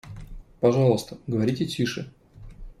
Пожалуйста, говорите тише.